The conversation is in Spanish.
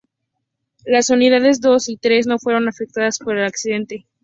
Las Unidades Dos y Tres no fueron afectadas por el accidente.